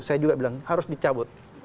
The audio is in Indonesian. saya juga bilang harus dicabut